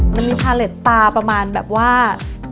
มันมีพาเล็ตตาประมาณแบบว่า